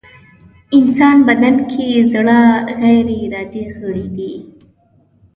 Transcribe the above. انسان بدن کې زړه غيري ارادې غړی دی.